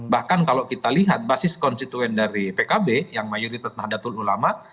bahkan kalau kita lihat basis konstituen dari pkb yang mayoritas nahdlatul ulama